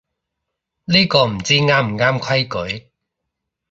呢個唔知啱唔啱規矩